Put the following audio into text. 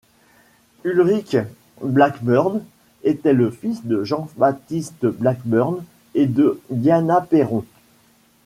Ulric Blackburn était le fils de Jean-Baptiste Blackburn et de Diana Perron.